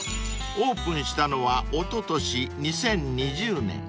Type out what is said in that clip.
［オープンしたのはおととし２０２０年］